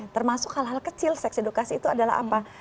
termasuk hal hal kecil seks edukasi itu adalah apa